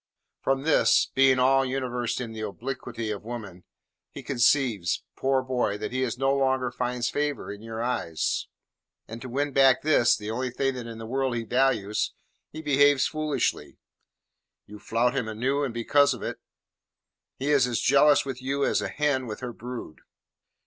From this being all unversed in the obliquity of woman he conceives, poor boy, that he no longer finds favour in your eyes, and to win back this, the only thing that in the world he values, he behaves foolishly. You flout him anew, and because of it. He is as jealous with you as a hen with her brood."